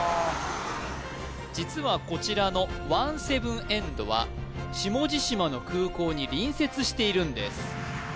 実はこちらの１７ＥＮＤは下地島の空港に隣接しているんです